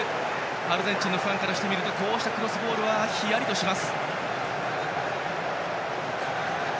アルゼンチンのファンからするとこうしたクロスボールはひやりとします。